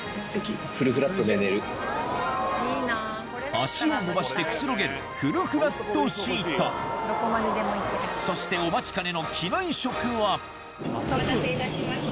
足を伸ばしてくつろげるそしてお待たせいたしました。